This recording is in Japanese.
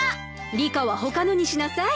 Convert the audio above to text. リカは他のにしなさい。